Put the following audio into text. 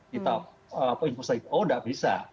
kita oh tidak bisa